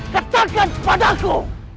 katakan kepada aku